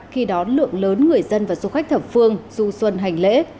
khi đó lượng lớn người dân và du khách thẩm phương du xuân hành lễ